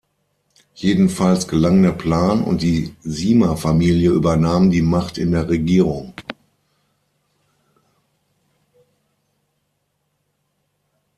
Jedenfalls gelang der Plan, und die Sima-Familie übernahm die Macht in der Regierung.